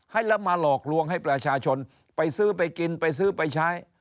ให้แล้วมาหลอกลวงให้ประชาชนไปซื้อไปกินไปซื้อไปใช้